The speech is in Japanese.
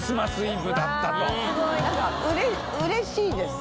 何かうれしいです。